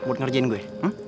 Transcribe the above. buat ngerjain gue